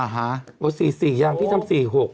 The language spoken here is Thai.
หมด๔๔ยังพี่จำ๔๖